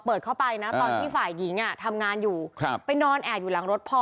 เปิดเข้าไปนะตอนที่ฝ่ายหญิงทำงานอยู่ไปนอนแอบอยู่หลังรถพ่อ